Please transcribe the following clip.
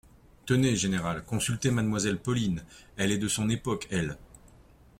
Tenez, général ! consultez mademoiselle Pauline, elle est de son époque, elle.